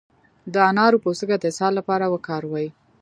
د انار پوستکی د اسهال لپاره وکاروئ